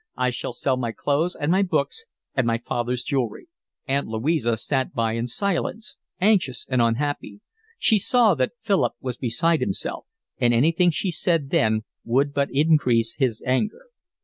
I shall sell my clothes, and my books, and my father's jewellery." Aunt Louisa sat by in silence, anxious and unhappy. She saw that Philip was beside himself, and anything she said then would but increase his anger.